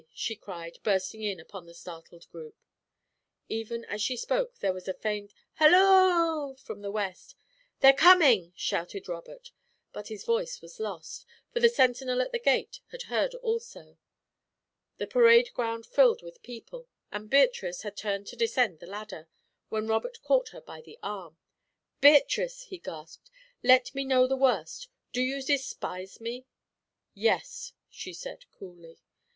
she cried, bursting in upon the startled group. Even as she spoke there was a faint "halloo" from the west. "They're coming," shouted Robert, but his voice was lost, for the sentinel at the gate had heard also. The parade ground filled with people, and Beatrice had turned to descend the ladder, when Robert caught her by the arm. "Beatrice!" he gasped. "Let me know the worst do you despise me?" "Yes," she answered, coolly.